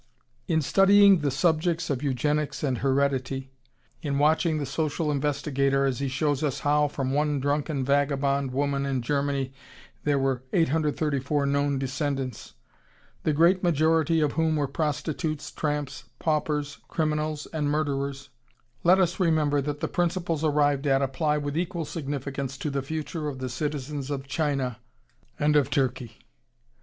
In studying the subjects of eugenics and heredity, in watching the social investigator as he shows us how from one drunken, vagabond woman in Germany there were 834 known descendants, the great majority of whom were prostitutes, tramps, paupers, criminals, and murderers, let us remember that the principles arrived at apply with equal significance to the future of the citizens of China and of Turkey.